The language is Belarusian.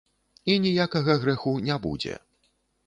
І ніякага грэху не будзе.